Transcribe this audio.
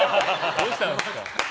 どうしたんすか。